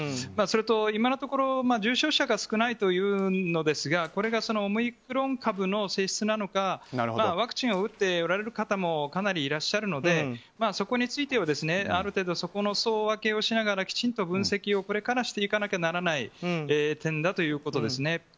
それと今のところ重症者が少ないというんですがこれがオミクロン株の性質なのかワクチンを打っておられる方もかなりいらっしゃるのでそこについては、ある程度そこの層分けをしながらきちんと分析をこれからしていかなきゃならない点だということですね。